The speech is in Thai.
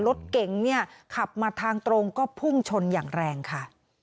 รถเก๋งเนี่ยขับมาทางตรงก็พุ่งชนอย่างแรงค่ะ